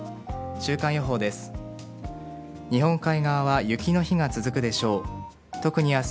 週間予報です。